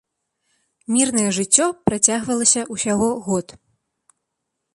Мірнае жыццё працягвалася ўсяго год.